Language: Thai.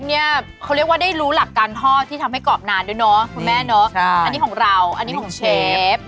แล้วใส่กระเทียมก่อนแล้วกันครับ